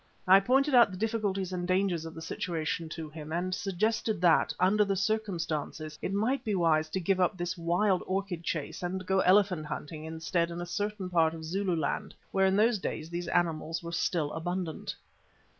I pointed out the difficulties and dangers of the situation to him and suggested that, under the circumstances, it might be wise to give up this wild orchid chase and go elephant hunting instead in a certain part of Zululand, where in those days these animals were still abundant.